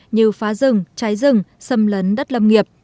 như phá rừng cháy rừng xâm lấn đất lâm nghiệp